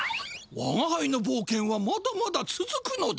わがはいの冒険はまだまだつづくのだ！